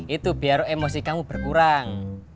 itu biar emosi kamu berkurang